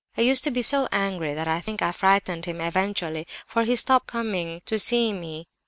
I used to be so angry that I think I frightened him eventually, for he stopped coming to see me.